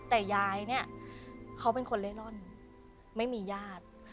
แต่ยายเนี่ยเขาเป็นคนเล่ร่อนไม่มีญาติ